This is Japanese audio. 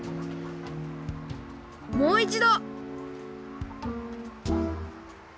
もういちど！